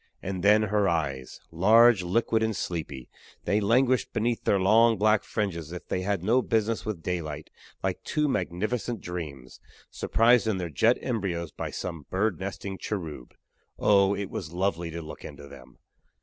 And then her eyes large, liquid and sleepy they languished beneath their long black fringes as if they had no business with daylight like two magnificent dreams, surprised in their jet embryos by some bird nesting cherub. Oh! it was lovely to look into them!